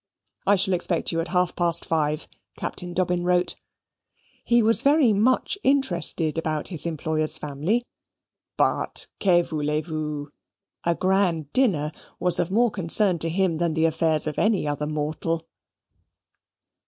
("I shall expect you at half past five," Captain Dobbin wrote.) He was very much interested about his employer's family; but, que voulez vous? a grand dinner was of more concern to him than the affairs of any other mortal.